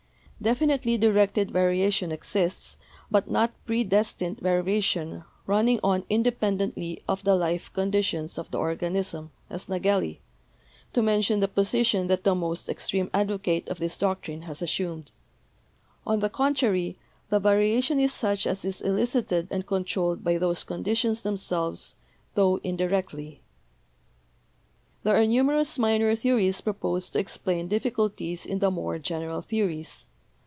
Definitely di rected variation exists, but not predestined variation run ning on independently of the life conditions of the organ ism as Nageli, to mention the position that the most ex treme advocate of this doctrine has assumed; on the con trary, the variation is such as is elicited and controlled by those conditions themselves, tho indirectly." There are numerous minor theories proposed to explain difficulties in the more general theories.